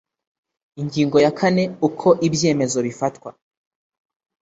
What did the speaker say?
ingingo ya kane uko ibyemezo bifatwa